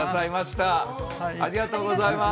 ありがとうございます。